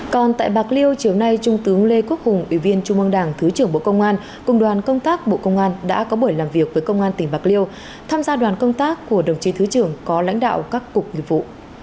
còn tại bạc liêu chiều nay trung tướng lê quốc hùng ủy viên trung ương đảng thứ trưởng bộ công an cùng đoàn công tác bộ công an đã có buổi làm việc với công an tỉnh bạc liêu tham gia đoàn công tác của đồng chí thứ trưởng có lãnh đạo các cục nghiệp vụ